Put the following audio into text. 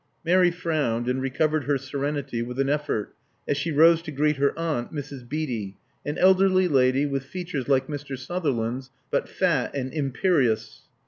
Mary frowned, and recovered her serenity with an effort as she rose to greet her aunt, Mrs. Beatty, an elderly lady, with features like Mr. Sutherland's but fat and imperious.